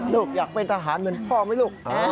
ลูกอยากเป็นทหารเหมือนพ่อไหมลูก